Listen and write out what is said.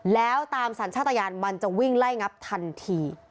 แล้วตามสัญชาติยานมันจะวิ่งไล่งับทันที